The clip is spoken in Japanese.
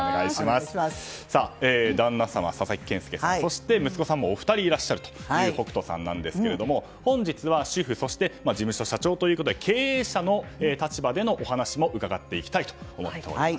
旦那様、佐々木健介さんそして息子さんもお二人いらっしゃるという北斗さんですが本日は主婦、事務所社長ということで経営者の立場でのお話も伺っていきたいと思います。